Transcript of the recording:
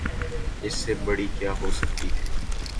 اس سے بڑی کیا ہو سکتی ہے؟